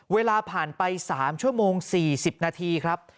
เวลาผ่านไป๓ชั่วโมง๔๐นาทีครับ